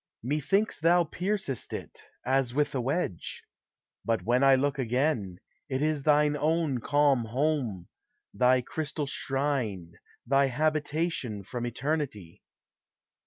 Methinks thou piercest it, As with a wedge ! But when I look again, It is thine own calm home, thy crystal shrine, Thy habitation from eternity